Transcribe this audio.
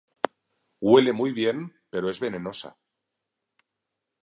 Huele muy bien pero es venenosa.